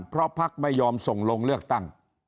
เพราะพักไม่ยอมส่งลงเลือกตั้ง